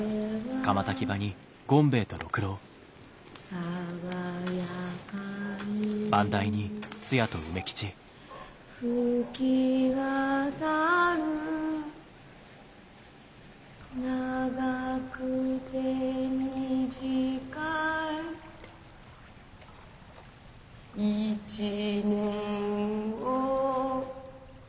「爽やかに吹き渡る」「長くて短い」「１年を」